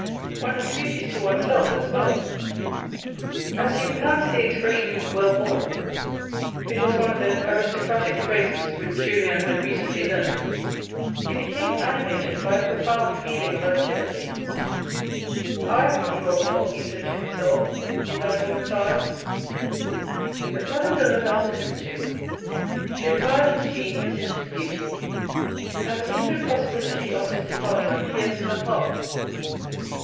One has duties to oneself as well." As he pronounced the expression, " well born " (it was one of those aristocratic phrases which Julien had recently learnt), he became animated by a profound feeling of antipathy. " I am not well born," he said to himself, " in that woman's eyes." As Madame de Renal listened to him, she admired his genius and his beauty, and the hinted possibility of his departure pierced her heart.